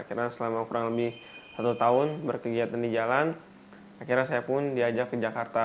karena selama kurang lebih satu tahun berkegiatan di jalan akhirnya saya pun diajak ke jakarta